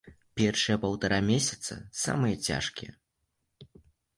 Першыя паўтара месяца самыя цяжкія.